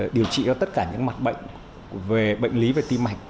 điều trị cho tất cả những mặt bệnh về bệnh lý về tim mạch